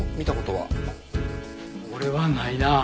俺はないな。